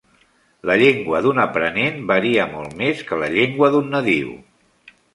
La llengua d'un aprenent varia molt més que la llengua d'un nadiu.